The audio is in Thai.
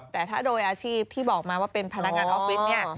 แต่ถ้าโดยอาชีพที่บอกมาว่าเป็นพนักงานออฟฟิศเนี่ย